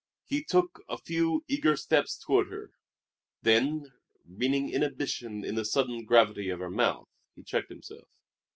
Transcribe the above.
He took a few eager steps toward her; then, reading inhibition in the sudden gravity of her mouth, he checked himself.